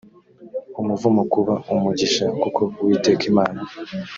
umuvumo kuba umugisha kuko uwiteka imana